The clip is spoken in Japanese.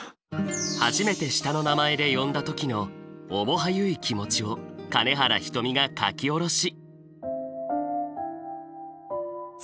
初めて下の名前で呼んだ時の面映い気持ちを金原ひとみが書き下ろし。